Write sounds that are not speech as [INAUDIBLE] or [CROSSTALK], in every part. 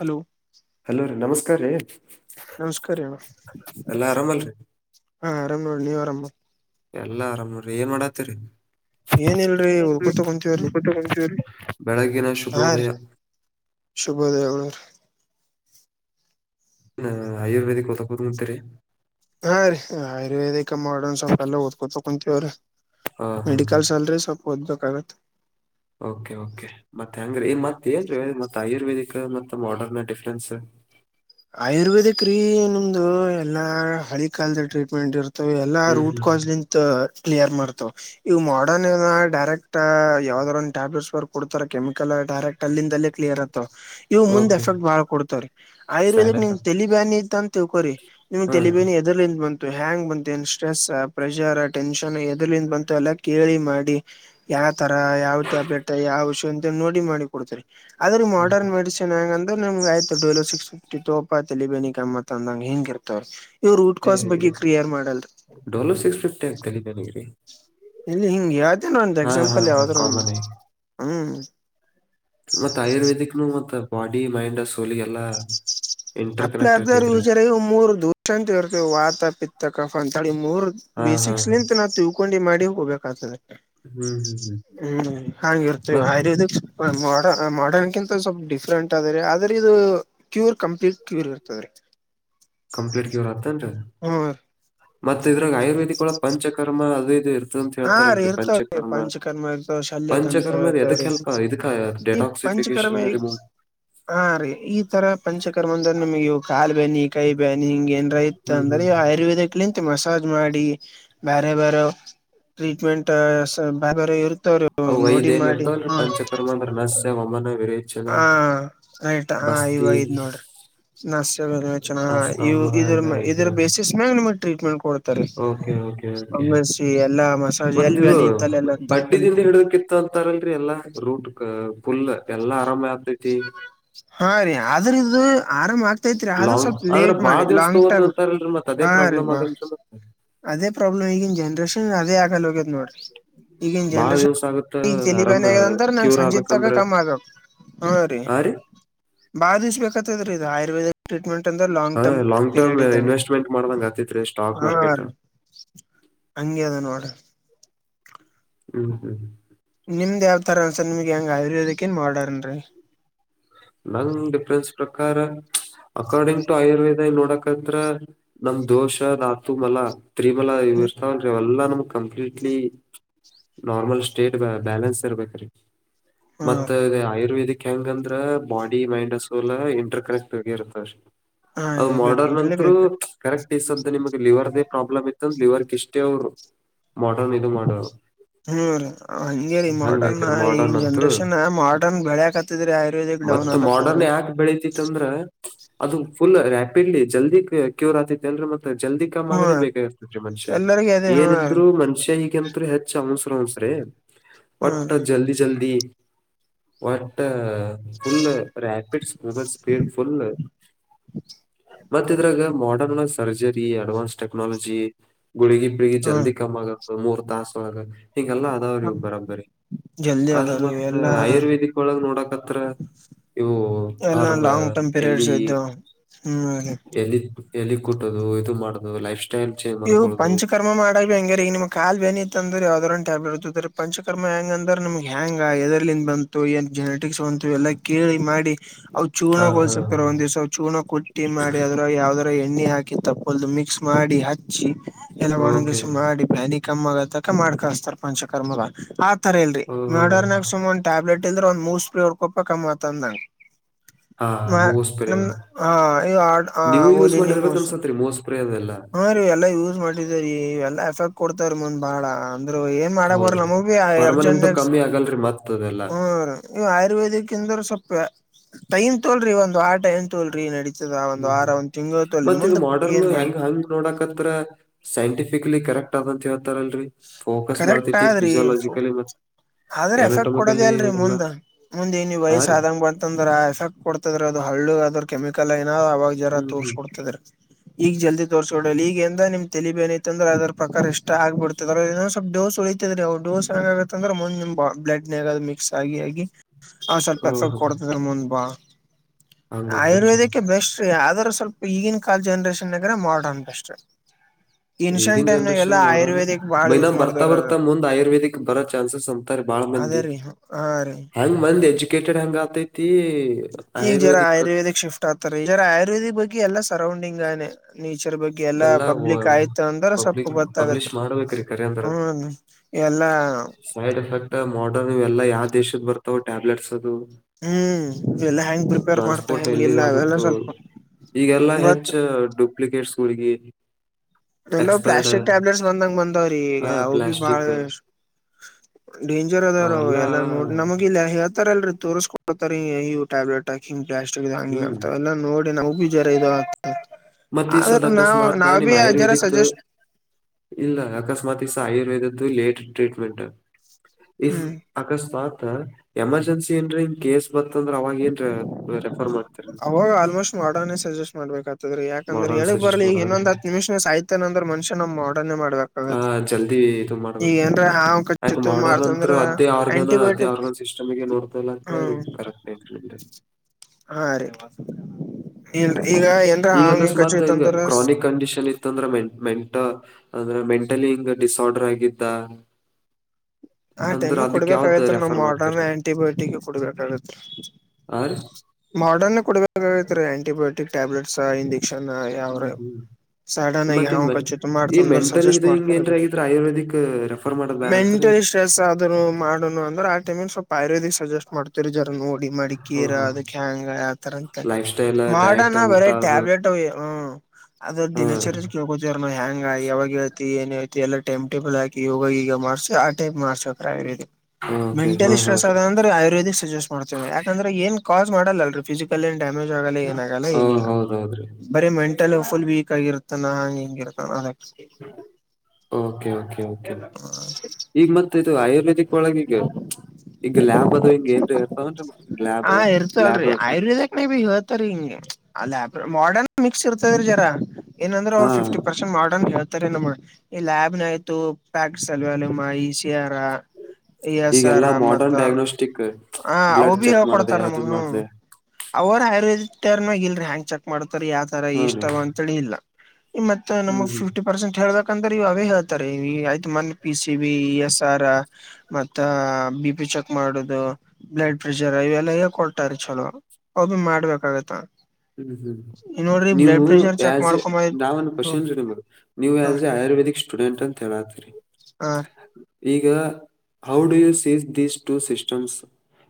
Hello hello ರೀ ನಮಸ್ಕಾರೇ ನಮಸ್ಕಾರ ಅಣ್ಣ ಎಲ್ಲ ಆರಾಮಲ್ಲ ರೀ ಹಾ ಆರಾಮ್ ನೋಡ್ರೀ ನೀವು ಆರಾಮ ಎಲ್ಲಾ ಆರಾಮ್ ನೋಡ ರಿ ಏನ್ ಮಾಡಾತ್ತರಿ ಏನ್ ಇಲ್ರಿ ಓದ್ಕೋತ ಕುಂತೀವ್ರಿ [UNINTELLIGIBLE] ಬೆಳಗಿನ ಹಾ ರೀ ಶುಭೋದಯ ಶುಭೋದಯಗಳು ಆಯುರ್ವೇದಿಕ್ ಹಓತ ಕದಂತರಿ ಹಾ ರೀ ಆಯುರ್ವೇದಿಕ್ ಮಾಡರ್ನ್ಸ್ಪ ಎಲ್ಲ ಓದ್ಕೊತಕೊಂತ ಕುಂತಿವ್ರಿ ಹಾ ಹಾ ಹಾ ಮೆಡಿಕಲ್ ಸ್ಯಾಲರಿ ಸ್ವಲ್ಪ ಓದ್ಬೇಕಾಗತ್ತೆ ಓಕೆ ಓಕೆ ಮತ್ತೆ ಹೆಂಗ ರೀ ಈ ಮತ್ತೆ ಏನ ರೀ ಮ ಆಯುರ್ವೇದಿಕ ಮತ್ತೆ ಮೊಡರ್ನ್ ಡಿಫ್ರೆನ್ಸ್ ಆಯುರ್ವೇದಿಕ್ ರೀ ನಮ್ದು ಎಲ್ಲಾ ಹಳಿ ಕಾಲದ ಟ್ರೀಟ್ಮೆಂಟ್ ಇರ್ತ ಎಲ್ಲಾ ಹ್ಮ್ ರೂಟ್ ಹ್ಮ್ ಕಾಸ್ಲಿಂತ ಕ್ಲಿಯರ್ ಮಾಡ್ತ್ವ ಇವು ಮಾಡರ್ನ್ ಇಲ್ಲ ಡೈರೆಕ್ಟ್ ಯಾವ್ದಾದ್ ಒಂದು ಟ್ಯಾಬ್ಲೆಟ್ಸ್ ಬರು ಕೊಡ್ತಾರೆ ಕೆಮಿಕಲ್ ಡರೆಕ್ಟ್ ಅಲ್ಲಿಂದ ಅಲ್ಲೇ ಕ್ಲಿಯರ್ ಆ ತ್ತ್ ಇವು ಮುಂದ್ ಓಕೆ ಎಫೆಕ್ಟ್ ಬಾಳ್ ಕೊಡ್ತವ ರೀ ಸ್ಯಾಡ ಆಯುರ್ವೇದಕ್ ನಿಮ್ ತಲಿಬ್ಯಾನಿ ಇತ್ ಅಂತ ತಿಳ್ಕೋರಿ ನಿಮ್ ಹಾ ತಲಿಬ್ಯಾನಿ ಎದರಲಿಂದ ಬು ಹ್ಯಾಂಗ್ ಬಂತು ಸ್ಟ್ರೆಸ್ ಪ್ರೆಷರ್ ಟೆನ್ಷನ್ ಎದರಿಂದ ಬಂತು ಎಲ್ಲ ಕೇಳಿ ಮಾಡಿ ಯಾಕ್ ಯಾವ್ ತರ ಯಾವ್ ಟ್ಯಾಬ್ಲೆಟ್ ಯಾವ ವಿಷ ಅಂತ ನೋಡಿ ಮಾಡಿ ಕೊಡ್ತರಿ ಆದ್ರ ಹ್ಮ್. ಮಾಡೋರ್ನ್ ಮೆಡಿಸನ್ ಹೆಂಗಂದ್ರ ಅ ನಮಗೆ ಆಯ್ತ ಡೊಲೊ ಸಿಕ್ಸ್ ಫಿಫ್ಟಿ ತೋಪಾ ತಲಿಬ್ಯಾನಿ ಕಮ್ಮ ಆತ ಅಂದಂಗ ಹಿಂಗ ಇರ್ತವ್ ಇವರ್ ರೂಟ್ ಏ ಕ್ರಾಸ್ ಬಗ್ಗೆ ಕ್ರಿಯರ್ ಮಾಡಲ್ರೀ ಡೋಲೋ ಸಿಕ್ಸ್ ಫಿಫ್ಟಿ ಆಗ ತಲಿ ಬ್ಯಾನಿಗ್ರಿ ಇಲ್ಲಿ ಹಿಂಗ್ ಹೇಳಿತೀನಿ ಯಾವದರ ಒಂದು ಹಾ ಹಾ ಎಕ್ಸಾಂಪಲ್ ಹಾ ಯಾವ್ದ್ರ ಕಾಮನ್ ಹ್ಮ್ ಮತ್ತ ಆಯುರ್ವೇದಿಕ್ ನ ಮತ್ತ ಬಾಡಿ ಮೈಂಡ್ ಸೋಲಿ ಅಲ ಅಧರ್ ವಿಚಾರವ ಮೂರು ದದುಶಾಂತವ ವಾರ್ತ ಪಿತ್ತ ಕಫ ಅಂತ ಮೂರ್ ಹಾ ಹಾ ಬೇಸಿಕ್ಸ್ ನಿಂತ ನಾವು ತಿಳ್ಕೊಂಡಿ ಮಾಡಿ ಹೋಗ್ಬೇಕತದೆ ಹ್ಮ್ ಹ್ಮ್ ಹ್ಮ್ ಹಂಗಿರ್ತೇವಿ ಮತ್ ಹಾಡಿದ ಮಾಡನ್ ಮಾಡರ್ನ್ಗಿಂತ ಸ್ವಲ್ಪ ಡಿಫ್ರೆಂಟ್ ಆದ ರೀ ಆದ್ರೆ ಇದು ಕ್ಯೂರ್ ಕಂಪ್ಲೀಟ್ ಕ್ಯೂರ್ ಇರ್ತದ ರೀ ಕಂಪ್ಲಿಟ್ವ್ ಕ್ಯೂ ರಾತ್ರಿ ಹ ಮತ್ತ ಇದ್ರಾಗ ಆಯುರ್ವೇದಿಕ್ ಒಳ ಪಂಚಕರ್ಮ ಅದ ಇದು ಇರುತ್ತೆ ಅ ಹಾ ರೀ ಹೇಳ್ತಾರಲ್ರಿ ಇರ್ತವ್ರೀ ಪಂಚಕರ್ಮ ಪಂಚಕರ್ಮ ಇರ್ತವ ಶಲ್ಯ ತಂತ್ರ ಪಂಚಕರ್ಮ ಅ ಎದಕ ಇರ್ತವ್ರೀ ಹೆಲ್ಪ್ ಇದಕ ಈ ಡೆಟಾಕ್ಸಿಡ್ ಪಂಚಕರ್ಮ [UNINTELLIGIBLE] ಹಾ ರೀ ಈ ತರ ಪಂಚಕರ್ಮ ಅಂದ್ರ ನಿಮಗೆವು ಕಾಲು ಬ್ಯಾನಿ ಕೈ ಬ್ಯಾನಿ ಹಿಂಗ ಏನ್ರ ಇತ್ ಹ್ಮ್ ಅಂದ್ರೆ ಹ್ಮ್ ಆಯುರ್ವೇದಕ್ ನಿಂತ ಮಸಾಜ್ ಮಾಡಿ ಬೇರೆ ಬೇರೆ ಟ್ರೀಟ್ಮೆಂಟ್ ಸ ಬೇರೆ ಬೇರೆ ಇರುತ್ತ ಅವು ನೋಡಿ ಐದ್ ಏನ್ ಮಾಡಿ ಇರ್ತಾವಲ್ರಿ ಹ ಪಂಚಕರ್ಮ ಅಂದ್ರ ನಸ್ಯ ವಮನ ವಿರೇಚನ ಹ ರೈಟ್ ಹಾ ಇವ ಬಸ್ತಿ ಐದ್ ನೋಡ್ರಿ ನ ಚ ಆಸ್ತಮ ಇದ ಐತ್ರ. ಇದ್ರ ಬೇಸಿಸ್ ಮ್ಯಾಗ ನಿಮಗ್ ಟ್ರೀಟ್ಮೆಂಟ್ ಕೊಡ್ತಾರೆ ಸಂಮ್ಮಸಿ ಎಲ್ಲಾ ಮಸಾಜ್ ಮತ್ತ ಎಲ್ ನೀವು ಬ್ಯಾನಿ ಇತ್ತಲ್ಲೆಲ್ಲ ತಪ್ಪಲ್ ಬಡ್ಡಿದಿಂದ ಹಿಡದಕಿತ್ತು ಅಂತಾರಲ್ರಿ ಎಲ್ಲಾ ರೂಟ್ ಪುಲ್ ಎಲ್ಲಾ ಅರಾಮ ಹಾ ರೀ ಆದ್ರ ಇದು ಆರಾಮ ಆಗ್ ರೈತ್ರಿ ಆದ್ರ ಲಾಂಗ್ ಸ್ವಲ್ಪ ಆದ್ರ ಲೇಟ್ ಬಾಳ ಮಾಡಿ ದಿವಸ ಲಾಂಗ್ ಟೈಮ್ ತಗೋತಂತಾರಲ್ರಿ ಮತ್ತ್ ಅದೇ ಹಾ ಪ್ರಾಬ್ಲಮ್ ರೀಮ್ಮ ಆಗಲ್ರಿ ಮತ್ತ್. ಅದೇ ಪ್ರಾಬ್ಲಮ್ ಈಗಿನ ಜನರೇಶನ್ ಅದೇ ಆಗಲ್ ಹೋಗೇ ನೋಡರಿ ಈಗನ್ ಬಾಳ ಜನರೇಶನ್ ದಿವ್ಸ ಆಗುತ್ತ ಈಗ ತಲಿ ಆರಾಮ ಬ್ಯಾನ್ ಆಗ್ಯದಂತ್ರ ನಂಗೆ ಕ್ಯೂರ್ ಸಂಜೆ ತಕ ಆಗ್ಬೇಕಂದ್ರ ಕಮ್ಮ್ ಆಗಬೇಕು ಹಾ ರೀ ಬಾಳ ದಿವಿಸ್ಬೇಕತ್ತದ್ರೀ ಇದು ಆಯುರ್ವೇದ ಟ್ರೀಟ್ಮೆಂಟ್ ಅಂದ್ರೆ ಲಾಂಗ್ ಹಾ ಟರ್ಮ್ ಲಾಂಗ್ ಟರ್ಮ್ ಪೀರಿಯಡ್ ಇದ್ದಂಗ ಇನ್ವೆಸ್ಟ್ಮೆಂಟ್ ಮಾಡ್ದಂಗ ಆತೈತ್ರಿ ಸ್ಟಾಕ್ ಹ ಮಾರ್ಕೆಟ್ ಹಂಗೆ ಅದ ನೋಡ್ರ ಹ್ಮ್ ಹ್ಮ್ ನಿಮ್ದ ಯಾವ್ತರ ಅನ್ಸರ್ ನಿಮ್ಗೆ ಹೆಂಗ ಆಯುರ್ವೇದಕ್ಕೇನ್ ಮಾಡನ್ ರ ನಂಗ್ ಡಿಫ್ರೆನ್ಸ್ ಪ್ರಕಾರ ಅಕಾರ್ಡಿಂಗ್ ಟು ಆಯುರ್ವೇದ ನೋಡಕತ್ರ ನಮ್ ದೋಷ ಧಾತು ಬಲ ತ್ರಿಬಲ ಇರ್ತಾವ ಇವೆಲ್ಲ ನು ಕಂಪ್ಲೀಟ್ಲಿ ನಾರ್ಮಲ್ ಸ್ಟೇಟ್ ಬ್ಯಾಲೆನ್ಸ್ ಇರ್ಬೇಕು ಹಾ ಮತ್ತ ರೀ ಆಯುರ್ವೇದಿಕ್ ಹೆಂಗಂದ್ರ body mind soul inter correct ಆಗಿರುತ್ತೆ ಅಷ್ಟೆ ಹಾ ಅ ಇರ್ಬೇಕ್ ಮಾಡರ್ ಅಂತರು ಇರ್ಲೇಬೇಕ್ರಿ ಕರೆಕ್ಟ್ [UNINTELLIGIBLE] ನಿಮಗ್ ಲಿವರ್ದ ಪ್ರಾಬ್ಲಮ್ ಇತ್ತುಂದ ಲಿವರ್ ಇಷ್ಟೇ ಅವ್ರು ಮಾಡರ್ನ್ ಇದು ಮಾಡು ಹ್ಮ್ ಹಂಗೇ ರೀ ಮಾಡರ್ನ್ ಮಾಡರ್ನ್ ಈನ್ ಅಂತ್ರು ಜನ್ರೇಷನ್ ಮಾಡರ್ನ್ ಬೆಳಿಯಕತ್ತದ್ರೀ ಆಯುರ್ವೇದಿಕ್ ಡೌನ್ ಮತ್ತ್ ಮಾಡರ್ನ್ ಅಲತ್ತದ್ರಿ ಯಾಕ ಬೆಳತಿತ್ತ ಅಂದ್ರ ಅದು ಫುಲ್ ರಾಪಿಡ್ಲಿ ಜಲ್ದಿ ಕ್ಯೂರ್ ಆತಿತಿ ಅಂದ್ರೆ ಮತ್ತೆ ಜಲ್ದಿ ಕಾಮ್ ಆಗದೆ ಹ್ಮ್ ಬೇಕಾಗತೇ ಮನುಷ್ಯ ಎಲ್ಲರಿಗ ಅದೇ ಹಾ ಏನಿದ್ರು ಮನುಷ್ಯ ಈಗಂತೂ ಹೆಚ್ಚ ಅಂ ಸ ಒಟ್ಟ ಹ್ಮ್ ಜಲ್ದಿ ಜಲ್ದಿ ಒಟ್ಟ ಫುಲ್ ರಾಪಿಡ್ ಬರ್ ಸ್ಪೀಡ್ ಫುಲ್ ಮತ್ತ ಇದ್ರಾಗ ಮಾಡರ್ನ್ ಸರ್ಜರಿ ಅಡ್ವಾನ್ಸ್ ಟೆಕ್ನಾಲಜಿ ಗುಳಗಿ ಪಿಳಗಿ ಹ್ಮ್ ಜಲ್ದಿ ಕಮ್ ಆಗ ಮೂರ್ ತಾಸ ಒಲಗ ಹಿಂಗಲ್ಲ ಅದಾವ್ರೀ ಹ್ಮ್ ಬರಾಬರಿ ಜಲ್ದಿ ಆದ್ರ ಅದಾರು ಮತ್ ಎಲ್ಲಾ ಆಯುರ್ವೇದಿಕ್ ಒಳಗ ನೋಡಕ್ತ್ರ ಇವು ಎಲ್ಲ ಹರ್ಬ ಲಾಂಗ್ ಟರ್ಮ್ ಎಲ್ಲಿ ಪೀರಿಯಡ್ಸ್ ಇದ್ದು ಹ್ಮ್ ಎಲ್ಲಿ ಕೊಟ್ಟೋದು ಇದು ಮಾಡೋದು ಲೈಫ್ ಸ್ಟೈಲ್ ಚೇಂಜ್ ಇವು ಮಾಡ್ಕೊಳ್ಳೋದು ಪಂಚಕರ್ಮ ಮಾಡಕ್ ಹಂಗ್ಯಾರಿ ಈಗ ನಿಮ್ಮ್ ಕಾಲ್ ಬೇನ್ ಇತ್ತ ಅಂದ್ರೆ ಯಾವ್ದೋ ಒಂದು ಟ್ಯಾಬ್ಲೆಟ್ ಪಂಚಕರ್ಮ ಹೆಂಗಂದ್ರ ನಮಗೆ ಹೆಂಗ ಎದ್ರಲ್ಲಿ ಬಂತು ಏನ್ ಜೆನೆಟಿಕ್ಸ್ ಬಂತು ಎಲ್ಲ ಕೇಳಿ ಮಾಡಿ ಅವ್ ಚೂರ್ಣ ಹಾ [UNINTELLIGIBLE] ಹಾ ಸಿಕ್ತಾರಂದ ದಿವ್ಸ ಚೂರ್ಣ ಕೊಟ್ಟಿ ಮಾಡಿ ಅದ್ರ ಯಾವ್ದ ಎಣ್ಣೆ ಹಾಕಿ ತಕೊಂಡು ಮಿಕ್ಸ್ ಮಾಡಿ ಹಚ್ಚಿ ಎಲ್ಲ ಓಕೆ ಒಣಂಗಸಿ ಮಾಡಿ ಪ್ಲಾನಿಂಗ್ ಕಮ್ಮ ಆಗತಕ ಮಾಡ್ ಕಸ್ತರ್ ಪಂಚಕರ್ಮ ಆತರ ಇಲ್ರಿ ಮಾಡರ್ನಾಗ ಸುಮ್ ಒಂದು ಟ್ಯಾಬ್ಲೆಟ್ ಅಂದ್ರ ಒಂದ್ ಮೂರು ಸ್ಪಿ [UNINTELLIGIBLE] ಕಮ್ಮ್ ಅಂದಗೆ ಹಾ ಮ ಮೂವ್ ಸ್ಪ್ರೇ ನಮ ಹಾ ಇದು ಆ ಆ ನೀವು ಯೂಸ್ ಓಲಿನೆಯ ಮಾಡಿರ್ಬೇಕ ಮೋಸ ಅನ್ಸತ್ರಿ ಮೂವ್ ಸ್ಪ್ರೇ ಅದೆಲ್ಲ ಹಾ ರೀ ಎಲ್ಲಾ ಯೂಸ್ ಮಾಡಿದರ ಎಲ್ಲಾ ಎಫೆಕ್ಟ್ ಕೊಡ್ತಾರೀ ಮುಂದೆ ಬಾಳ ಅಂದ್ರು ಏನ್ ಮಾಡಬ್ರ ಹೌದ್ರಿ ನಮಗ್ ಪರ್ಮನೆಂಟ್ ಅರ್ಜೆಂಟ್ ಕಮ್ಮಿ ಆಗಲ್ರಿ ಮತ್ ಅದೆಲ್ಲ ಹ್ಮ ಇ ಆಯುರ್ವೇದಿಕ್ ಎಂದ್ರ ಸೊಪ್ಪೇ ಟೈಮ್ ತೋಗೋಳ್ರಿ ಒಂದು ವಾರ ಟೈಮ್ ತೋಗೊಳ್ರಿ ಹಾ ಒಂದ್ ಹ್ಮ್ ವಾರ ಒಂದು ತಿಂಗಳಲ್ಲಿ ಮುಂದಕ್ ಏನ್ ಮಾಡ್ಲಿ ನೋಡಕತ್ರ ಸೈಂಟಿಫಿಕ್ಲಿ ಕರೆಕ್ಟ್ ಆದ ತಾರಲ್ರರಿ ಫೋಕಸ್ ಕರೆಕ್ಟ್ ಮಾಡ್ತೈತಿ ಆದ್ರಿ ಫಿಸಿಯಾಲಜಿಕಲಿ ಮತ್ತ [UNINTELLIGIBLE] ಆದ್ರ ಎಫೆಕ್ಟ್ ಕೊಡದೇ ಅಲ್ರರಿ ಮುಂದ್ ಮುಂದ್ ಆ ವಯಸ್ಸ ರೀ ಆದಂಗ ಬಂತಂದ್ರ ಆ ಎಫೆಕ್ಟ್ ಕೊಡ್ತದ್ರ ಅದು ಹಳ್ಳು ಅದ್ರ ಕೆಮಿಕಲ್ ಏನ ಅವಾಗ ಜರ ಹ್ಮ್ ಹ್ಮ್ ತೋರ್ಸ್ಕೊಡ್ತರಿ ಈಗ ಜಲ್ದಿ ತೋರಿಸ್ಕೊಂಡಿಲ್ಲಿ ಈಗಗೆಂದ ನಿಮ್ ತಲಿಬ ಏನಐತೆ ಅಂದ್ರ ಅದ್ರ ಪ್ರಕಾರ ಇಷ್ಟ ಆಗ್ ಬಿಡ್ತ ಸ್ವಲ್ ಡೋಸ್ ಉಳಿತತದ್ರ ಅವ್ರ ಡೋಸ್ ಹಂಗ ಆಗತ್ತ ಅಂದ್ರೆ ಬ್ಲಡ್ ಮಿಕ್ಸ್ ಆಗಿ ಹ ಸ್ವಲ್ಪಲ್ ಓಹ್ ಕೊಡ್ತದ್ರ ಮುಂದ ಬಾ ಹಂಗೈತೇನ್ರಿ ಆಯುರ್ವೇದಕ್ಕೆ ಬೆಸ್ಟ್ ರೀ ಆದ ಸ್ವಲ್ಪ ಈಗಿನ ಕಾಲ ಜನ್ರೇಷನ್ಗ ಮಾಡರ್ನ್ ಬೆಸ್ಟ್ ಇನ್ಸೆಂಟ್ಟಮ್ನಾಗ ಎಲ್ಲ ಆಯುರ್ವೇದಿಕ್ ಬಾಳ ಮೈನಾ ಯೂಸ್ ಬರ್ತಾ ಮಾಡ್ದವ್ರ ಬರ್ತಾ ಮುಂದ್ ಆಯುರ್ವೇದಿಕ್ ಬರೋ ಚಾನ್ಸಸ್ ಅಂತಾರೆ ಬಾಳ ಅದೇ ಮಂದಿ ರೀ ಹಾ ರೀ ಹೆಂಗ ವೆಲ್ ಎಜುಕೇಟೆಡ್ [UNINTELLIGIBLE] ಈ ಜನ ಆಯುರ್ವೇದಿಕ್ ಶಿಫ್ಟ್ ಆಗ್ತಾರೆ ಈ ಜರ ಆಯುರ್ವೇದಿ ಬಗ್ಗೆ ಎಲ್ಲಾ ಸರೌಂಡಿಂಗ್ [UNINTELLIGIBLE] ಇದರ ಬಗ್ಗೆ ಎಲ್ಲಾ ಪಬ್ಲಿಕ್ ಆಯ್ತು ಅಂದ್ರ ಸ್ವಲ್ಪ ಪಬ್ಲಿಕ್ ಪಬ್ಲಿಷ್ ಗೊತ್ತಾಗತೆ ಮಾಡ್ಬೇಕ್ರಿ ಕರೆ ಅಂದ್ರ [UNINTELLIGIBLE] ಸೈಡ್ ಎಫೆಕ್ಟ್ ಮಾಡರ್ನ್ ಇ ಎಲ್ಲಾ ಯಾವ ದೇಶದ ಬರ್ತಾವ ಟ್ಯಾಬ್ಲೆಟ್ಸ್ ಅದು ಹ್ಮ್ ಇವೆಲ್ಲಾ ಹೆಂಗ್ ಪ್ರಿಪೇರ್ ಮಾಡ್ತಾ ಟ್ರಾನ್ಸ್ಪೋರ್ಟ್ ಹೆಂಗ ಇಲ್ಲ ಅವೆಲ್ಲ ಎಲ್ಲಿದಾಗುತ್ತೋ ಸ್ವಲ್ಪ ಈಗೆಲ್ಲಾ ಹೆಚ್ಚ ಗೊತ್ತು ಡುಪ್ಲಿಕೇಟ್ಸ್ ಹುಡುಗಿ ಎಲ್ಲೋ ಪ್ಲಾಸ್ಟಿಕ್ ಟ್ಯಾಬ್ಲೆಟ್ಸ್ ಬಂದಂಗ ಬಂದವ್ರೀ ಈಗ ಆ ಅವು ಭಿ ಬಾಳ ಪ್ಲಾಸ್ಟಿಕ್ ಡೇಂಜರ್ ಅದಾರ ಅವೆಲ್ಲಾ ಎಲ್ಲಾ ನೋಡಿ ನಮಗ ಇಲ್ಲ ಹೇಳ್ತರಲ್ರಿ ತೋರಿಸಸ್ಕೊಡ್ತಾರಯವು ಟ್ಯಾಬ್ಲೆಟ್ ಹಾಕಿ ಪ್ಲಾಸ್ಟಿಕ್ ಇ ಹ್ಮ್ ಅಂತಲ್ಲ ನೋಡಿ ನಾವುಿ ಜರ ಇದ ಆದ್ರ ನಾವು ನಾವು ಬಿ ಜರ ಆಯರ್ವೇದಕ್ ಸಜೆಸ್ಟ್ ಇಲ್ಲ ಅಕಸ್ಮಾತ್ಸ ಆಯುರ್ವೇದದ್ದ ಲೇಟ್ ಟ್ರೀಟ್ಮೆಂಟ್ ಇಫ್ ಹ್ಮ್ ಅಕಸ್ಮಾತ್ ಎಮರ್ಜೆನ್ಸಿ ಏನ್ರೀನ್ ಕೇಸ್ ಬತ್ಂದ್ರ ಅವಾಗ ಏನ್ರೀ ಅವಾಗ ಆಲ್ಮೋಸ್ಟ್ ಮಾಡಾನೆ ಸಜೆಸ್ಟ್ ಮಾಡ್ಬೇಕ ಯಾಕಂದ್ರೆ ಮಾಡೋನ್ ಹೇಳಿಗ್ ಸಜೆಸ್ಟ್ ಬರ್ಲಿ ಈಗ ಮಾಡೋದೇನ್ರಿ ಇನ್ನೊಂದ್ ಹತ್ ನಿಮಷ ಸಾಯ್ತ ಅಂದ್ರ ಮನುಷ್ಯನಮ್ ಮಾಡೋಡನೇ ಆ ಮಾಡಬೇಕಕ್ಗತ್ರಿ ಜಲ್ದಿ ಇದು ಮಾಡ ಯಾಕ ಮಾಡರ್ಂತ ಮಾರ್ತಂದ್ರ ಅದೇ ಆರ್ಗನ ಅದೇ ಆಂಟಿಬಯೋಟಿಕ್ ಆರ್ಗನ್ ಸಿಸ್ಟಮ್ಗೆ ನೋಡ್ತ ಇಲ್ಲ ಹ್ಮ್ ಕರೆಕ್ಟ್ ಆ ಹಾ ನೀ ಈಗ ಅಕಸ್ಮಾತ್ ಹಂಗ ಕ್ರಾನಿಕ್ ಕಂಡೀಷನ್ ಇತ್ತ ಅಂದ್ರೆ ಮೆಂ ಮೆಂಟ ಅಂದ್ರೆ ಮೆಂಟಲಿ ಹಿಂಗ ಡಿಸ್ರ್ಡರ್ ಆಗಿದ್ದ ಆ ಅಂದ್ರ ಟೈಮಿ ಅದಕ್ ಯಾವ್ದ್ ಕೊಡ್ಬೇಕಾಗತ್ ನಮ್ ರೆಫರ್ ಮಾಡ್ತೇರಿ ಮಾಡ್ರನ್ ನೀವು ಆಂಟಿಬಯೋಟಿಕ್ ಕೊಡ್ಬೇಕಾಗತ್ ಆ ರೀ ಮಾಡನ್ ಕೊಡಬೇಕಾಗೈತ್ ರೀ ಆಂಟಿಬಯೋಟಿಕ್ ಟ್ಯಾಬ್ಲೆಟ್ಸ್ ಹಿ ಕ್ಷನ್ ಯಾವ್ರ ಹ್ಮ್ ಹ್ಮ್ ಸ್ಯಾಡನ್ ಆಗಿ ಮತ್ ಹ ಈ ಮೆ- ಕಚಿತ ಈ ಮಾಡ್ತಂದ ಮೆಂಟಲಿ ಸಜೆಸ್ಟ್ ಇದು ಹಿಂಗ ಮಾಡ್ತದೆ ಏನ್ರ ಆಗಿದ್ರ ಆಯುರ್ವೇದಿಕ್ ರೆಫರ್ ಮಾಡೋದ್ ಬ್ಯಾಡ ಮೆಂಟ ಅಂತಾರೇನ್ರಿ ಆದನು ಮಾಡೋ ಅ್ರೆ ಆ ಟೈಮ ಸ್ವಪ ಆಯುರ್ವೇದಿಕ್ ಸಜೆಸ್ ಮಾಡತತಿರಿ ನೋಡಿ ಹಾ ಮಾಡಿಕೀರ ಹಾ ಅದ ಹಂಗ ಆತರಂತ ಲೈಫ್ ಸ್ಟೈಲ್ ಡಯಟ್ ಮಾಡಣ ಬರ ಊಟ ಅದು ಟ್ಯಾಬ್ಲೆಟ್ ಹ್ಮ್ [UNINTELLIGIBLE] ಅದ್ರ ಹಾ ದಿನಚರ್ಯಕ್ಕೆ ಹೇೋಗೋತರ ನ ಹೆಂಗ ಯಾವಾಗ ಹೇಳ್ತಿ ಏನ ಐತಿ ಎಲ್ಲ ಟೈ್ ಟೇಬಲ್ ಹಾಕಿ ಇೋಗಾಗ ಈಗ ಮಾಡ್ ಮಾಡ್ ಆಯುರ್ವೇದಕ್ ಓಕೆ ಹಾ ಮೆಂಟಲಿ ಹಾ ಸ್ಟ್ರೆಸ್ ರೀ ಅಂದ್ರ ಆಯುರ್ವದಿಕ್ ಸಜೆಸ್ ಮಾಡ್ತೇ ಯಕಂದ್ರೆ ಏ ಕಾಸ್ ಮಾಡಲ್ಲಲ್ರಿ ಫಿಸಿಕಲ್ ಡ್ಯಾಮೇಜ್ ಆಗಲ್ಲ ಏನ ಆಾಗಲ್ಲ ಓ ಏನಿಲ್ಲ ಹೌದೌದ್ರಿ ಬರೀ ಮೆಂಟಲ್ ಫುಲ್ ವೀಕ್ ಆಗಿರುತ್ತಾನ ಹೆ ಅ ಓಕೆ ಹ್ಮ ಮ ಇದು ಆಯುರ್ವೇದಿಕ್ ಒಳಗಗೆ ಹಂಗ ಲ್ಯಾಬ್ ಅದು ಹಂಗ ಏನ್ ಇರ್ತದ ಲ್ಯಾಬ್ ಹಾ ಲ್ಯಾಬ್ ಮಾಡನ್ ಮಿಕ್ಸ್ ಇರ್ತದ್ರಿ ಜರ ಏನಂದ್ರೆ ಅವರು ಹಾ ಫಿಫ್ಟಿ ಪರ್ಸೆಂಟ್ ಮಾಡರ್ನ್ ಹೇ ನಮ್ಮ ಇಾಬ್ನ ಆಯ್ತು ಪ್ಯಾಕ್ಸ್ಲ್ವಮ್ಮ ಈ ಸಿಿಯರ್ ಈಗೆಲ್ಲಾ ಮ ಮಾಡರ್ನ್ ಡಯಾಗ್ನೋಸ್ಟಿಕ್ ಹ ಅವ ಬ್ಲಡ್ ಭ ಚೆಕ್ ಮಾಡ್ದೆ ಹೇಳ್ಕೊಡ್ತಾರ ಅದು ನಮಗ ಹ ಮಾಡ್ದೆ ಅವ ಆಯುರ್ವೇದ ಟರ್ನಾಗ ಇಲ್ರಿ ಹೆಂಗ ಚೆಕ್ ಮಾಡತಾರ ಯಾವ ತರ ಹಾ ರೀ ಇಷ್ಟವ ಅಂತೇಳಿ ಇಲ್ಲ ಮತ್ತ ನಮ್ ಹ್ಮ್ ಹ್ಮ್ ಫಿಫ್ಟಿ ಪರ್ಸೆಂಟ್ ಹೇಳ್ದ ಯಕಂದ್ರ ಇ ಅವೇ ಹೇಳ್ತಾರೆ ಈ ಆಯ್ತು ಮಂದ P C B S R ಮತ್ತ ಬಿ ಪಿ ಚೆಕ್ ಮಾಡುದು ಬ್ಲಡ್ ಪ್ರೆಷರ್ ಇವೆಲ್ಲ ಕೊಡ್ತಾರೆ ಚಲೋ ಮಾಡ್ಬೇಕಾಗತ್ತಾ ಹ್ಮ್ ಹ್ಮ್್ಮ ನೀವು ಚೆಕ್ ಆಸ್ ಎ ಮಾಡ್ಕೊಂಬ ನಾವ್ ಹ್ಮ್ ಕ್ವಶನ್ ನಿದು ನೀವು ಹ ಆಸ್ ಎ ಆಯುರ್ವೇದಿಕ್ ಸ್ಟೂಡೆಂಟ್ ಅಂತ ಹೇಳದು ಹರಿ ಹಾ ಈಗ how do you see these two systems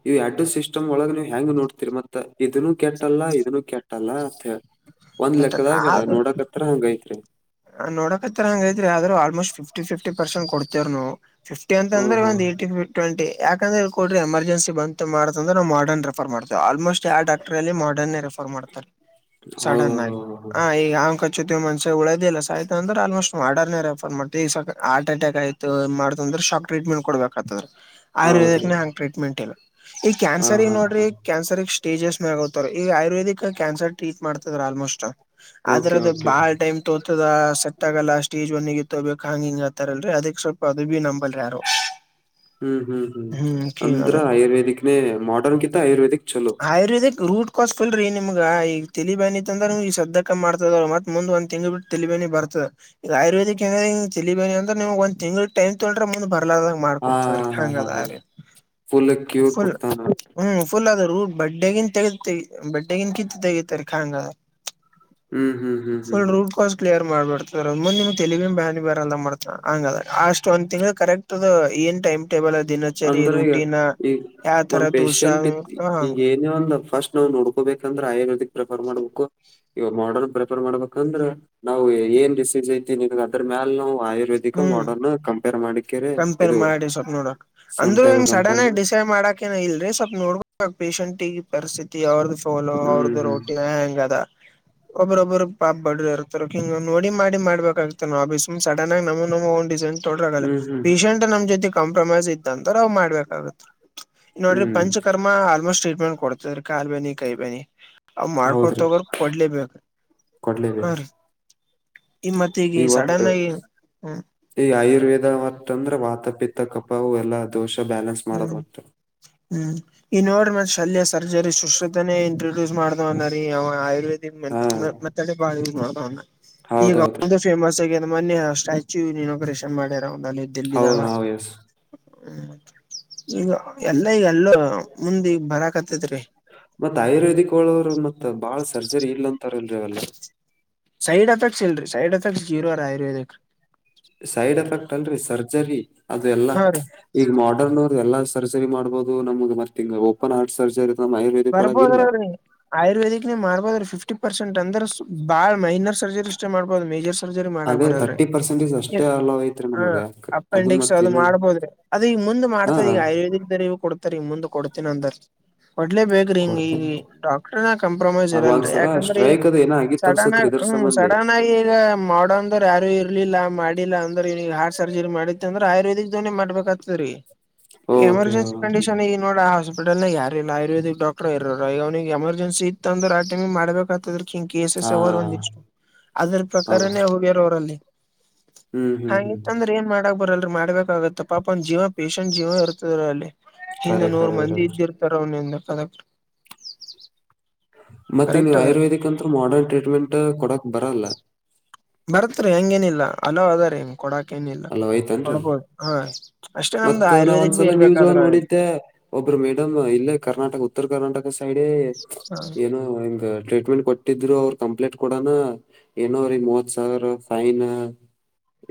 ಇವು ಅಡ್ಡ ಸಿಸ್ಟಮ್ ಒಳ ನೀವ್ ಹೆಂಗ್ ನೋಡ್ತೀರಿ ಮತ್ತತ್ ಇದನ್ನು ಕೆಟ್ಟಲ್ಲ ಇದನ್ನು ಕೆಟ್ಟಲ್ಲ ಒಂದ್ ಲೆಕ್ಕದಾಗ ನೋಡಕತ್ರ ಹಂಗೈತ್ರಿ ನೋಡಕ ಹತ್ರ ಹಂಗೈ್ರರಿ ಆದ್ರರು ಆಲ್ಮೋಸ್ಟ್ಫ್ಟಿ ಫ್ಟಿ ಪರ್ಸಂಟ್ ಕೊ ವು ಫ್ಟಿ ಅಂದ್ರ ಒ ಓಹೋ ಏ ಟ್ಂಟಿ ಯಾಕಂದ್ರೆ ಕೊಡ್ರಿ ಎಮರ್ಜನ್ ಬಂತ ಮಾಡತಂದ್ರ ಮಾಡರ್ನ್ ರೆಫರ್ ಮಾಡತೇವೆ ಆಲ್ಮೋಸ್ಟ್ ಯಾವ ಡಾಕ್ಟ್ರಲ್ಲಿ ಮಾಡಡನ್ ರೆಫರ್ ಮಾಡ್ತಾರೆ ಹೌದ ಸಡನ್ ಆಗಿ ಆ ಈಗ ಹ್ ಕಚ್ಚೋತಿವಿ ಮನ್ಸ ಉಳ ಲ್ಲ್ ಅಂದ್ರೆ ಆಲ್ಮೋಸ್ಟ್ ಮಾಡರ್ೇ ರೆಫರ್ ಮಾಡ್ ಹಾರ್ ಅಟ್ಯಾಕ್ ಆಯತು ಮಾಡ ಅ್ರೆ ಶಾಕ್ ಟ್ರೀಟ್ಮಂಟ್ ಕೊ ತದ ಹೌದ್ರಿ ಆಯುರ್ವೇದ ಹಂಗ ಟ್ರೀಟ್ಮೆಂಟ್ ಇಲ್ಲ ಈ ಹಾ ಕ್ಯಾನ್ಸರ್ ಹಾ ನೋಡ್ರಿ ಹಾ ಕ್ಯಾನ್ಸರ್ ಸ್ಟೇಜಸ್ ಮ ಆಗತಾರ ಈಗ ಆುರ್ವದಿಕ್ ಕ್ಯಾನ್ಸರ್ ಟ್ರೀಟ್ ಮಾಡತದ ಆಲ್ಮೋಸ್ಟ್ ಆದದ್ರ ಓಕೆ ಅದ ಓಕೆ ಬಾಳ್ ಟೈಮ್ ತೋತದ ಸೆಟ್ ಆಗಲ್ಲ ಸ್ಟೇಜ್ ಒನ್ಗ [UNINTELLIGIBLE] ತೊ್ಬೇಕಕ್ [UNINTELLIGIBLE] ಹಿಂಗ ಆತರಲ್ರಿ ಅದಕ್ ಸ್ವಲ್ಪ ಅದು ಬಿ ನಮ ಹ್ಮ್ ಹ್ಮ್ ಹ್ಮ್ ಕಿಂಗ್ ಅಂದ್ರ ಅದಾರ ಆಯುರ್ವೇದಿಕ ನ ಮಾರ್ಡರ್ನ್ತ್ತ ಆಯುರ್ವೇದಕ್ ಆಯುರ್ವೇದಿಕ್ ರೂಟ್ ಕಸ್ಕಲ್ರೀ ನಿಮ್ಗ ಈಗ ತಲಿ ಬಿತ್ ಅಂದ್ರಮಗೆಗ ಸದ ಮಾಡ್ತದ ಮತ್ತೆ ಮುಂದ ಒಂದ್ ತಿಂಗಳ ಬಿಟ್ಟ ತಿಬೇಿ ಬರ್ತದೆ ಆಯುರ್ವೇದಿ ಏ ತಿಲಿಬೇಿ ಅಂದ್ರ ನಿ ಟೈನ್ ತೊೊಂಡ್ರ ಮು ಬ [UNINTELLIGIBLE] ಹಾ ಮಾಡಕಡ್ತದ್ರ ಹಾ ಹಾ ಹಂಗದ ಹಾ ರ ಫುಲ್ ಕ್ಯೂರ್ ಫುಲ್ ಕೊಡ್ತಾನ ಹ್ಮ ಫುಲ್ ಅ ಬಡ್ಡೆಗಿನ್ ತಗತ್ತ ಬಡ್ಡೆಗಿನ್ ಕಿತ್ತು ತೆಗತಾರೆ ಕಂಗ ಹ್ಮ್ ಹ್ಮ್ ಹ್ಮ್ ಹ್ಮ್ ಫುಲ್ ಹ್ಮ್ ರೂಟ್ ಕಾಸ್ ಕ್ಲಿಯರ್ ಮಾಡ್ಬು ಂದ್ ನಿಮ ತೆಗ ಬ ಬೇಲ್ಲ ಮಾಡ್ತ ಹಂಗ ಅ ಅಷ್ಟ ಒಂದ್ ತಿಂಗ್ ಕರೆಕ್ಟ್ ಏ ೈಮ್ [UNINTELLIGIBLE] [UNINTELLIGIBLE] ದಿನಚರಿ ಅಂದ್ರೆ ಈಗ ರರುಟಿನ ಈಗ ಯಾವ ತರ ಒಂದ್ ದೋಷ ಪೇಶೆಂಟ್ ಹ ಈಗ ಒಂದ್ ಫಸ್ಟ್ ನಾವು ನೋಡ್ಕೋಬೇಕಂದ್ರೆ ಆಯುರ್ವೇದಿಕ್ ಪ್ರಿಫರ್ ಮಾಡ್ಬೇಕು ಇವಾಗ ಮಾಡನ್ ಪ್ರಿಫರ್ ಮಾಡ್ಬೇಕಂದ್ರೆ ನಾವು ಏನ್ ರಿಸೀಜ್ ಐತಿ ಅದ್ರ ಮ್ಯಾಲ ನಾವು ಆಯುರ್ವೇದಿಕ ಹ್ಮ್ ಮಾಡರ್ನ್ ಕಂಪೇರ್ ಮಾಡಿ ಕಂಪೇರ್ ಮಾಡಿ ಸ್ವಪ ನೋಡು ಅಂದ್ರು ಸಂಪೇರ್ ಹಿ್ ಸಡನ್ ಕಂಪೇರ್ ಆಗಿ ಮಾಡಿ ಡಿಸೈಡ್ ಮಾಡಕಏ ಇಲ್ರರಿ ಸ್ವಲ್ಪ್ ನೋಡ್ಬ ಪೇಶಷಂಟ್ ಈಗ ಪರಿಸ್ಥಿತಿ ಅವ್ರದ್ದ [INAUDIBLE] ಚೋಲೋ ಹ್ಮ್ ಅವ್ರದ್ದು ಹ್ಮ್ ರೋಟಿ ಹೆಂಗ ಅದ [UNINTELLIGIBLE] ಒಬ್ಬ್ರೊಬ್ಬರು ಪಾಪ್ ಬಡ್ರರು ಇರ್ತಾರ ಹಿಂಗ ನೋಡಿ ಮಾಡಬೇಕಾಗ್ತ ನಾವುಬೀ್್ ಸಡನ್ ಆಗ ನಮ ನಮ ಡಿಸೈನ್ [UNINTELLIGIBLE] ತೊಡ್ರಾಗಲ್ಲ ಹ್ಮ್ ಹ್ಮ್ ಪೇಶಷಂಟ್ ನಮ್ ಜೊತೆ ಕಾಂಪ್ರಮೈಸ್ ಇದ್ದ ಅಂದ್ರ ಅವ್ ಮಾಡ್ಬೇಕಾಗತ್ರಿ ನೋಡ್ರಿ ಹ್ಮ್ ಪಂಚಕರ್ಮ ಆಲ್ಮೋಸ್ಟ್ ಟ್ರೀಟ್ಮೆಂಟ್ ಕೊಡ್ತದ್ರಿ ಕಾಲುಬೇನಿ ಕೈಬನಿ ಅವ ಹೌದ್ರಿ ಮಾಡ್ಕೊತೋಗರ್ ಕೊಡ್ಲೇಬೇಕ ಹ ರೀ ಈ ಮತ್ ಈಗ ಒಟ್ಟು ಸಡನ್ ಆಗಿ ಹ್ಮ್ ಈಗ ಆಯುರ್ವೇದ ಮ ತಂದ್ರೆ ವಾತಪಿತ್ತ ಕಪಾವು ಎಲ್ಲಾ ದೋಷ ಬ್ಯಾಲೆನ್ಸ್ ಮಾಡೋದು ಹ್ಮ್ ಹ್ತ ಹ್ಮ್ ಈ ನೋ್ರ ಮ ಶಲ್ಯ ಸರ್ಜರಿ ಶುಶ್ರತನೇ ಇಂಟ್ರೊಡ್ಯೂಸ್ ಮಾಡಿದವ್ನ ರೀ ಅವ ಆಯುರ್ವೇದ ಹಾ ಮತ್ತಡೆ ಬ ಮಾಡೋಣ ಈಗ ಹೌದೌದ್ರಿ ಒ ಫೇಮಸ್ ಆಗಿ [UNINTELLIGIBLE] ಒ ಮೊನ್ನೆ ಸ್ಟ್ಯಾಚು ನೀಕರೇಷನ್ ಮಾಡ್ಯಾರ ಹೌದ ಒಲ್ಲಿ್ದಲ್ಲಿದ್ದಾಗ ಹೌ ಎಸ್ ಹ್ಮ ಈಗ ಎಲ್ಲ ಈಗ ಎಲ್ಲೋ ಮುಂದ ಈಗ ಬರಕತ್ತ ಮತ್ ಆಯುರ್ವೇದಿಕ್ ಒಳವರು ಮತ್ತ್ ಬಾಳ್ ಸರ್ಜರಿ ಇಲ್ಲ ಅಂತಾರಲ್ರಿೀ ಅವಲ್ಲ ಸೈಡ್ ಎಫೆಕ್ಟ್ಸ್ ಇಲ್ರರಿ ಸೈಡ್ ಎಫೆಕ್ಟ್ಸ್ ಜೀರೋರ ಆಯುರ್ವೇದಕ್ ಸೈಡ್ ಎಫೆಕ್ಟ್ ಅಲ್ರರಿ ಸರ್ಜರಿ ಅದೆ ಎಲ್ಲಾ ಹಾ ರೀ ಈಗ ಮಾಡರ್ನ್ ಎಲ್ಲ ಸರ್ಜರಿ ಮಾಡ್ಬಹುದು ನಮ್ಗ್ ಮತ್ತ್ ಓಪನ್ ಹಾರ್ಟ್ ಸರ್ಜರಿ ನಮ್ ಆಯುರ್ವೇದಿಕ್ ಒಳಗ ಇಲ್ಲ ಬರ್ಬೋದ್ರೀ ಆಯುರ್ವೇದಿಕ್ ನೀ ಮಾರ್ಬೋದ್ರೀ ಫಿಫ್ಟಿ ಪರ್ಸೆಂಟ್ ಅಂದ್ರ ಬಾಳ್ ಮೈನಸ್ ಸರ್ಜರಿ ಸಿಸ್ಟಮ್ ಮಾಡ್ಬೋುದು ಮೇಜರ್ ಸರ್ಜರಿ ಮಾಡ ಅದೇ ಬರಲ್ ಲ್ರೀ ತರ್ಟಿ ಪರ್ಸೆಂಟೇಜ್ ಅಷ್ಟೇ ಅಲೋ ಐತ್ರಿ ನಮಗ ಯಾಕ ಮತ್ ಅದು ಇನ್ನ ಮಾಡ್ಬೋದ್ರ ಅದ ಈಗ ಮುಂದ್ ಹಾ ಮಾಡ್ತಾರೆ ಈಗ ಆಯುರ್ವೇದಿಕ್ ದೂ ಕೊಡ್ತಾರೆ ಈ ಮುಂದ್ ಕೊಡ್ತೀನ ಅಂದ್ರ ಇಡ್ಲೇ ಬೇಕ್ರಿ ಹಂಗ ಕೊಡ್ತೀನಿ ಡಾಕ್ಟ್ರನ ಕಂಪ್ರಮೈಸ್ ಇರಲ್ರರಿ ಒಂದ್ಸಲ ಯಾಕಂದ್ರಿ ಸ್ಟ್ರೈಕ್ ಅದು ಏನ ಆಗಿತ್ ಸಡನ್ ಅನ್ಸತ್ರಿ ಆಗಿ ಇದ್ರ ಹ್ಮ್ ಸಂಬಂಧಿ ಸಡನ್ ಆಗಿ ಈಗ ಮಾಡಂದರು ಯಾರು ಇ ಇಲಿಲ್ಲ ಮಾಡಿಲ್ಲ ಅಂದ್ರ ಹಾರ್ ಸರ್ಜರಿ ಮಾಡಿತ್ತ ಅಂದ್ರ ಆಯುರ್ವದಿಕ್ ಧವನಿ ಮಾಡ್ಬೇಕಕ್ತದ ರೀ ಓಕೆ ಎಮರ್ಜೆನ್ಸಿ ಕಂಡೀಷನ್ ಈಗ ನೋಡ ಆ ಹಾಸ್ಪಿಟಲ್ ನ ಯಾರಿಲ್ಲ ಆಯುರ್ೇದಿಕ್ಡಾಕ್ಟರ್ [UNINTELLIGIBLE] ಇರರು ಈ ಅವನಿಗೆ ಎಮರ್ಜನ್ಿ ಇತ್ತಂದ್ರ ಆ ಟಮ್ ಮಾಡಬೇಕತದ ಇವಾಗಿನ ಕೇಸಸ್ ಅವಾರ ಹಾ ಒಂದಿಷ್ಟು ಅದ್ರ ಪ್ರಕಾರಾನೇ ಹೌದ್ರಿ ಹೋಗ್ಯರ ಅವರಲ್ಲಿ ಹ್ಮ್ ಹ್ಮ್ ಹ್ಮ್ ಮಾಡೋಕೆ ಬರಲ್ಲ ಮಾಡ್ಬೇಕಾಗತ್ತ ಪಾಪ ಒಂದ ಜೀವ ಪೇಶಷಂಟ್ ಜೀವ ಇರುತದ ಅಲ್ಲಿ ಹಿಂದ ಖರೆ ನೂರು ಖರೆ ಮಂದಿ ಇರತ್ರಿ ಇದ್ದಿರ್ತಾರ ಅವನಿಂದ ಕಲೆಕ್ರ್ [UNINTELLIGIBLE] ಮತ್ತೆ ನೀವು ಆಯುರ್ವೇದಿಕ್ ಅಂತೂ ಮಾಡರ್ನ್ ಟ್ರೀಟ್ಮೆಂಟ್ ಕೊಡಕ್ ಬರಲ್ಲ ಬರತ್ರಿ ಹೆಂಗೇನಿಲ್ಲ ಅಲೋ್ ಅದಾರಿ ಹೆಂಗ ಕೊಡಾಕ್ ಏನಿಲ್ಲ ಕೊಡ್ಬೋದು ಹಾ ಅಷ್ಟೇ ನಮ್ದು ಮತ್ತ ನಾವ ಆಯುರ್ವೇದಿಕ್ ಬಿ ಒಂದ್ಸಲ ನ್ಯೂ ಜೈನ್ ಇರ್ಬೇಕಾದ್ರ ಹ ನೋಡಿದ್ದೆ ಒಬ್ರು ಮೇಡಮ್ ಇಲ್ಲೇ ಕರ್ನಾಟಕ ಉತ್ತರ ಕರ್ನಾಟಕ ಸೈಡ್ ಏನು ಹಂಗ ಟ್ರೀಟ್ಮೆಂಟ್ ಕೊ ಕೊಟ್ಟಿದ್ರು ಅವ್ರ ಕಂಪ್ಲೇಂಟ್ ಕೊಡೋನಾ ಏನೋ್ರೀ ಮೂವತ್ ಸಾವಿರ ಫೈನ್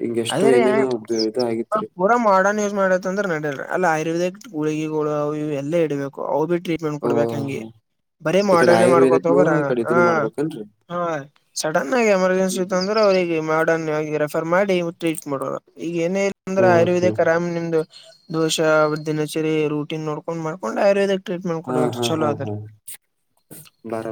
ಹಿಂಗ ಎಷ್ಟೋ ಅದೇ ಏನೇನೋ ಇದು ಆಗಿತ್ರಿ ಪುರಾ ಮಾಡನ್ ಯೂಸ್ ಮಾಡತ್ತಂದ್ರೆ ನಡಲ್ ಅಲ್ಲ ಆಯುರ್ೇದಿಕ್ ಗುಳಗಿಗಳು ಇವು ಎಲ್ಲ ಇಡಬೇಕು ಅವು ಬಿಟ್ಟ ಟ್ರೀಟ್ಮೆಂಟ್ ಓ ಕೊಡ್ಬೇಕಂಗೆ ಬರೀ ಈ ಕಡೆ ಮಾಡಾನೆ ಮಾಡ್ಕೊತ ಆಯುರ್ವೇದಕ್ನು ಹೋಗರ ಈ ಕಡೆ ಹ ಇದನ್ನು ಮಾಡ್ಬೇಕೇನ್ರಿ ಹಾ ಸಡನ್ ಆಗಿ ಎಮರ್ಜೆನ್ಸಿ ಇ ಅಂದ್ರೆ ಅವ್ರಿಗೆ ಮಾಡಡನ್ಯ ಆಗಿರ ಫರ್ ಮಾಡಿ ಟ್ರೀಟ್ ಮಾಡ ಈಗ ಏನೇ ಇಲ್ಲ ಅಂದ್ರೆ ಹ್ಮ್ ಓಕೆ ಆಯುರ್ವೇದಕ್ ಆರಾಮ್ಂದು ದೋಷ ದಿನಚರಿ ರೂಟೀನ್ ನೋಡ್ಕೊಂಡ್ ಮಾಡ್ಕೊಂಡು ಆಯುರ್ವೇದಕ್ ಹಾ ್ರಟಮಟ್ಬೇಕು ಹಾ ಚಲೋ ಹಾ ಅ ಹಾ ಬರ